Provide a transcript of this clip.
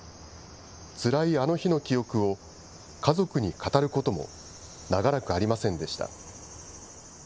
つらいあの日の記憶を、家族に語ることも長らくありませんでした。